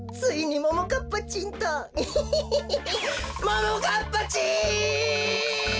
ももかっぱちん！